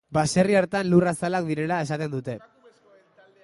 Baserri hartan lur azalak direla esaten dute.